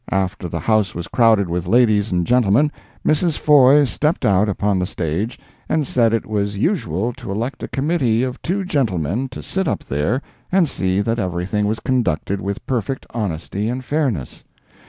After the house was crowded with ladies and gentlemen, Mrs. Foye stepped out upon the stage and said it was usual to elect a committee of two gentlemen to sit up there and see that everything was conducted with perfect honesty and fairness.